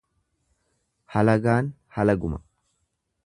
Halagaan halaguma.